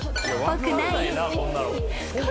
ぽくないか。